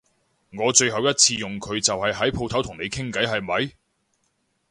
我最後一次用佢就係喺舖頭同你傾偈係咪？